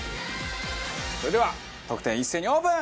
それでは得点一斉にオープン！